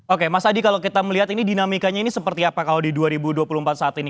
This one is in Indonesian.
oke mas adi kalau kita melihat ini dinamikanya ini seperti apa kalau di dua ribu dua puluh empat saat ini